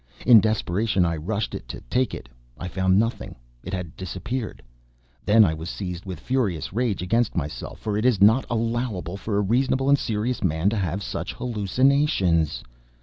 In desperation I rushed at it to take it! I found nothing; it had disappeared. Then I was seized with furious rage against myself, for it is not allowable for a reasonable and serious man to have such hallucinations.